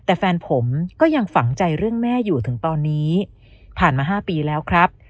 แต่แฟนผมก็ยังฝังใจเรื่องแม่อยู่ถึงตอนนี้ผ่านมา๕ปีแล้วครับ